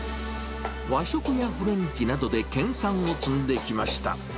和食やフレンチなどで研さんを積んできました。